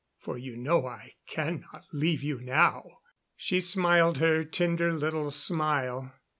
For you know I cannot leave you now." She smiled her tender little smile.